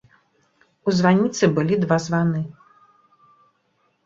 У званіцы былі два званы.